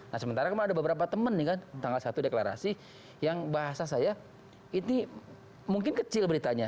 nah sementara kemarin ada beberapa teman nih kan tanggal satu deklarasi yang bahasa saya ini mungkin kecil beritanya